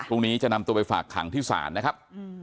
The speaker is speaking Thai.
พรุ่งนี้จะนำตัวไปฝากขังที่ศาลนะครับ